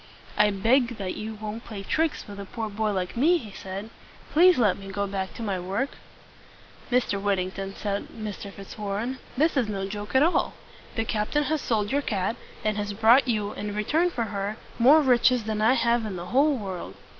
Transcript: "I beg that you won't play tricks with a poor boy like me," he said. "Please let me go back to my work." "Mr. Whittington," said Mr. Fitzwarren, "this is no joke at all. The captain has sold your cat, and has brought you, in return for her, more riches than I have in the whole world."